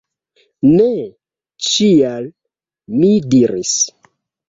Ne, ĉial! mi diris.